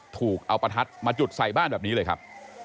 ถูกเอาประทัดมาจุดใส่บ้านแบบนี้เลยครับ